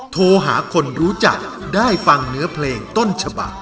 โทรหาคนรู้จักได้ฟังเนื้อเพลงต้นฉบัก